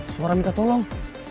suara minta tolong